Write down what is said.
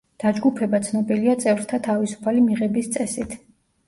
დაჯგუფება ცნობილია წევრთა თავისუფალი მიღების წესით.